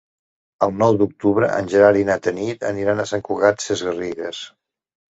El nou d'octubre en Gerard i na Tanit aniran a Sant Cugat Sesgarrigues.